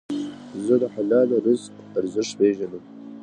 زه د حلال رزق ارزښت پېژنم.